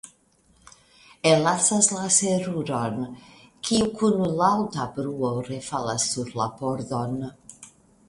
Ellasas la seruron, kiu kun laŭta bruo refalas sur la pordon.